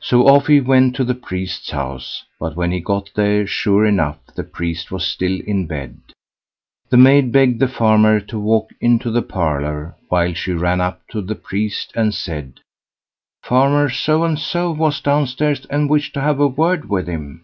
So off he went to the priest's house; but when he got there, sure enough, the priest was still in bed. The maid begged the farmer to walk into the parlour while she ran up to the priest, and said: "Farmer So and So was downstairs, and wished to have a word with him."